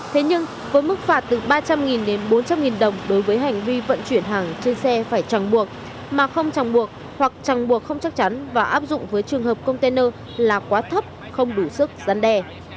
thế nhưng với mức phạt từ ba trăm linh đến bốn trăm linh đồng đối với hành vi vận chuyển hàng trên xe phải trang buộc mà không chẳng buộc hoặc chẳng buộc không chắc chắn và áp dụng với trường hợp container là quá thấp không đủ sức gian đe